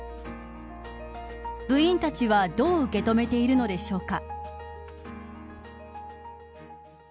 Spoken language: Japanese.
部員たちはどう受け止めているのでしょうか。